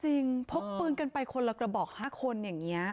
พกปืนกันไปคนละกระบอก๕คนอย่างนี้